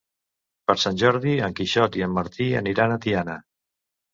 Per Sant Jordi en Quixot i en Martí aniran a Tiana.